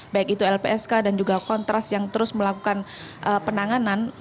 baik itu lpsk dan juga kontras yang terus melakukan penanganan